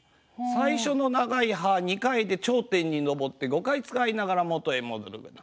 最初の長い「はー」２回で頂点に上って５回使いながら元へ戻るような。